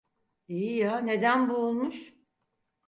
İyi ya, neden boğulmuş?